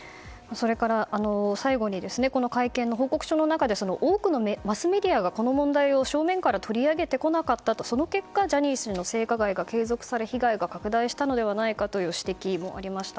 それから、最後にこの会見の報告書の中で多くのマスメディアがこの問題を正面から取り上げてこなかったとその結果ジャニー氏の性加害が継続され被害が拡大したのではないかという指摘もありました。